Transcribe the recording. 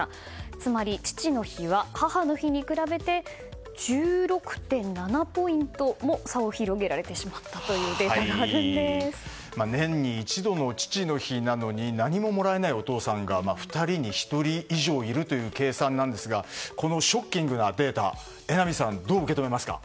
つまり父の日は母の日に比べて１６．７ポイントも差を広げられてしまったという年に一度の父の日なのに何ももらえないお父さんが２人に１人以上いるという計算なんですがこのショッキングなデータ榎並さん、どう受け止めますか？